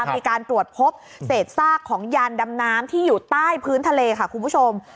มีการตรวจพบเศษซากของยานดำน้ำที่อยู่ใต้พื้นทะเลค่ะคุณผู้ชม